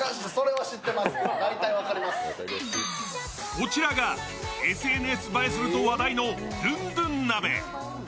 こちらが、ＳＮＳ映えすると話題のドゥンドゥン鍋。